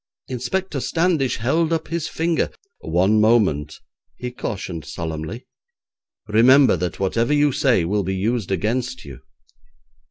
Inspector Standish held up his finger. 'One moment,' he cautioned solemnly, 'remember that whatever you say will be used against you!'